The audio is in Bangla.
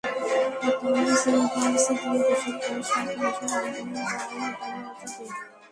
বর্তমান রিজার্ভ দিয়ে দেশের প্রায় সাত মাসের আমদানি দায় মেটানো যাবে।